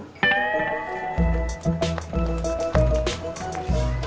itu kotor semuanya gara gara kamu